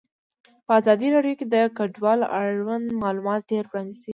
په ازادي راډیو کې د کډوال اړوند معلومات ډېر وړاندې شوي.